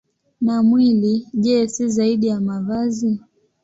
Na mwili, je, si zaidi ya mavazi?